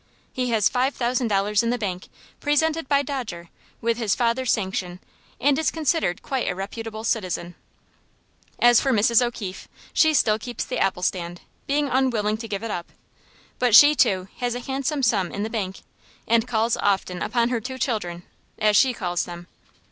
He has five thousand dollars in the bank, presented by Dodger, with his father's sanction, and is considered quite a reputable citizen. As for Mrs. O'Keefe, she still keeps the apple stand, being unwilling to give it up; but she, too, has a handsome sum in the bank, and calls often upon her two children, as she calls them.